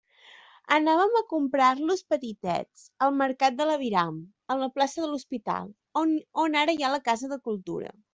Anàvem a comprar-los petitets, al mercat de l'aviram, a la plaça de l'Hospital, on ara hi ha la Casa de Cultura.